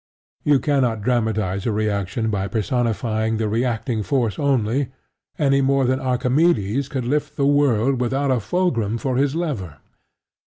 You cannot dramatize a reaction by personifying the reacting force only, any more than Archimedes could lift the world without a fulcrum for his lever.